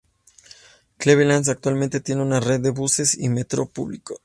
Cleveland actualmente tiene una red de buses y metro públicos.